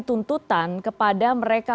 tuntutan kepada mereka